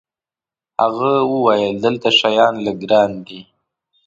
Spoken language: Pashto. هغه وویل: دلته شیان لږ ګران دي.